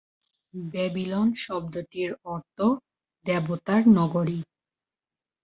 Babylon শব্দটির অর্থ "দেবতার নগরী"।